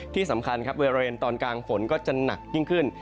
ที่สำคัญครับบริเวณตอนกลางฝนก็จะหนักยิ่งขึ้น